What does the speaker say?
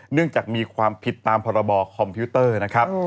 เนื่องจากมีความผิดตามพรบคอมพิวเตอร์นะครับ